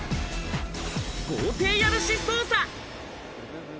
豪邸家主捜査。